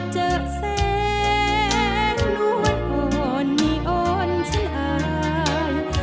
เจอแสงนวดอ่อนมีอ่อนฉันอาย